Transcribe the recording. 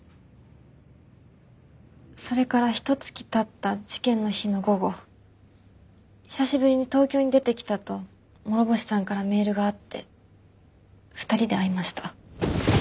それからひと月経った事件の日の午後久しぶりに東京に出てきたと諸星さんからメールがあって２人で会いました。